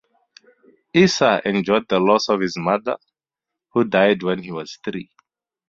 Issa endured the loss of his mother, who died when he was three.